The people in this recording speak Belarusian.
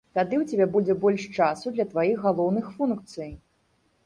Тады ў цябе будзе больш часу для тваіх галоўных функцый.